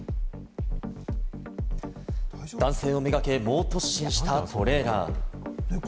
男性をめがけ、猛突進したトレーラー。